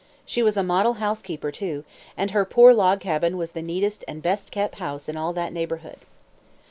She was a model housekeeper, too; and her poor log cabin was the neatest and best kept house in all that neighborhood.